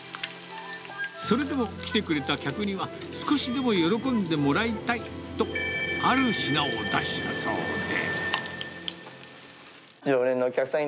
それでも来てくれた客には、少しでも喜んでもらいたいと、ある品を出したそうで。